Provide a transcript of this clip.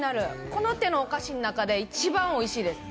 この手のお菓子の中で一番おいしいです。